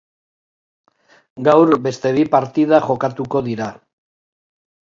Gaur beste bi partida jokatuko dira.